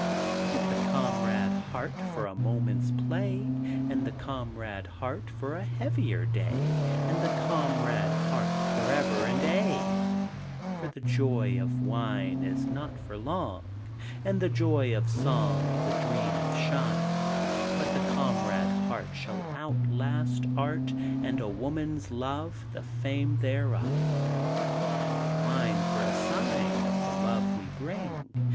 With the comrade heart For a moment's play, And the comrade heart For a heavier day, And the comrade heart Forever and aye. For the joy of wine Is not for long; And the joy of song Is a dream of shine; But the comrade heart Shall outlast art And a woman's love The fame thereof. But wine for a sign Of the love we bring!